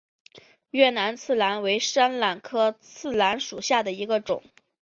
越南刺榄为山榄科刺榄属下的一个种。